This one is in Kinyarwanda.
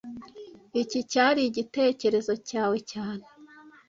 Iki cyari igitekerezo cyawe cyane